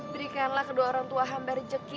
berikanlah kedua orang tua hamba rezeki